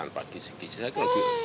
tanpa kisah kisah akan lebih bagus